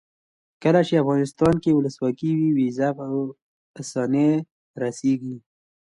کله چې افغانستان کې ولسواکي وي ویزه په اسانۍ راسیږي.